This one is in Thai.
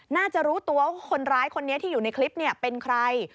น่าจะรู้ตัวว่าคนร้ายคนนี้ที่อยู่ในคลิปเป็นใคร